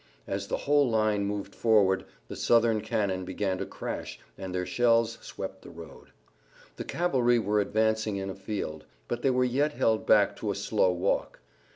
As the whole line moved forward the Southern cannon began to crash and their shells swept the road. The cavalry were advancing in a field, but they were yet held back to a slow walk.